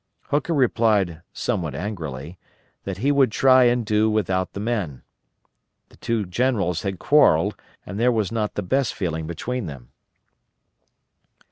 Hooker replied somewhat angrily that he would try and do without the men. The two generals had quarreled, and there was not the best feeling between them.